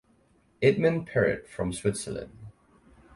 Edmond Perret from Switzerland.